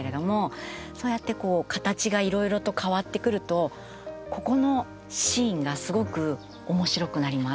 そうやって形がいろいろと変わってくるとここのシーンがすごく面白くなります。